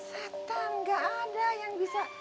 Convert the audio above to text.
satan nggak ada yang bisa